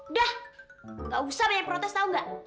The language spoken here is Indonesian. udah gak usah banyak protes tau gak